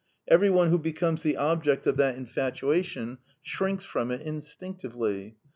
Every one who becomes the object of that infatuation shrinks from it instinctively.